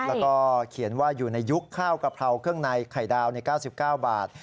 แล้วก็เขียนว่าอยู่ในยุคข้าวกะเพราเครื่องในไข่ดาวใน๙๙บาท